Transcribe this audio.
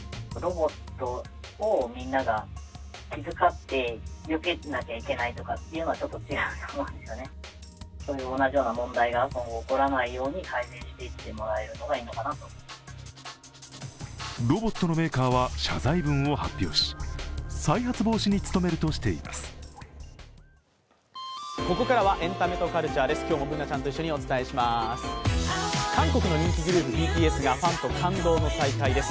ロボットのメーカーは謝罪文を発表し、再発防止に努めるとしています。